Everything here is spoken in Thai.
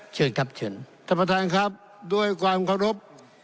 เชิญครับเชิญท่านประธานครับด้วยความเคารพ